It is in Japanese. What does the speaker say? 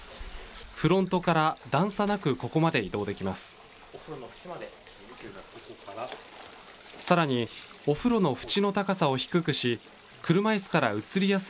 フロントから段差なくここまで移動できます。